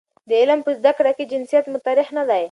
د علم په زده کړه کې جنسیت مطرح نه دی.